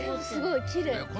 すごいきれい。